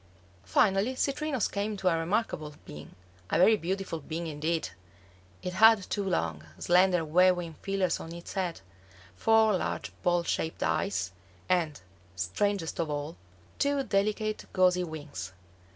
Finally Citrinus came to a remarkable being, a very beautiful being indeed. It had two long, slender, waving feelers on its head, four large ball shaped eyes, and, strangest of all, two delicate gauzy wings.